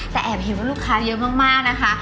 แต่แอบเห็นว่าลูกค้าเยอะมากนะคะ